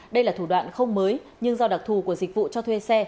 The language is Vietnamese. đây là thủ đoạn không mới nhưng do đặc thù của dịch vụ cho thuê xe